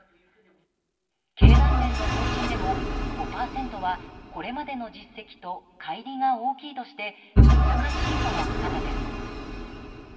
経団連の方針でも５％はこれまでの実績とかい離が大きいとして難しいとの見方です。